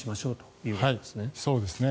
そうですね。